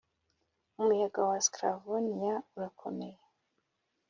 'umuyaga wa sclavoniya urakomeye,